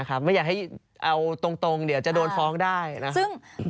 ไม่อยากให้เอาตรงเดี๋ยวจะโดนฟ้องได้นะครับ